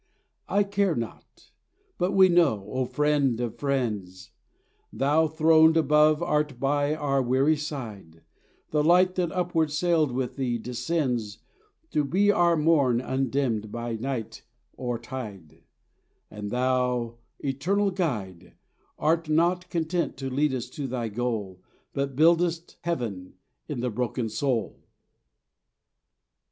I care not: but we know, O Friend of friends, Thou throned above art by our weary side, The light that upward sailed with Thee descends To be our morn undimmed by night or tide; And Thou, eternal Guide, Art not content to lead us to thy goal, But buildest heaven in the broken soul.